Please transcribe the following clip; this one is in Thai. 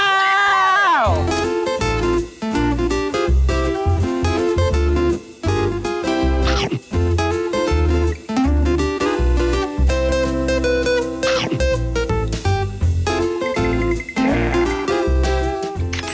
ปลาหมึกผัดชู